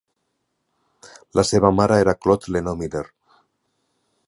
La seva mare era Claude Lennox Miller.